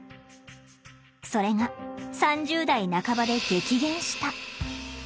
それが３０代半ばで激減した。